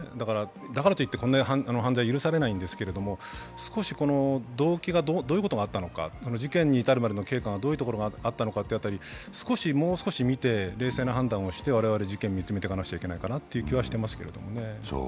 だからといってこういう犯罪、許されないんですけれども、少し動機がどういうことがあったのか、事件に至るまでの経過がどういうところがあったのかもう少し見て冷静な判断をして、我々、事件を見つめていかなきゃいけないという感じがしますがね。